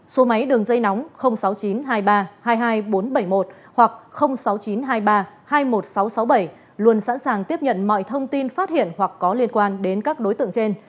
số máy đường dây nóng sáu mươi chín hai mươi ba hai mươi hai nghìn bốn trăm bảy mươi một hoặc sáu mươi chín hai mươi ba hai mươi một nghìn sáu trăm sáu mươi bảy luôn sẵn sàng tiếp nhận mọi thông tin phát hiện hoặc có liên quan đến các đối tượng trên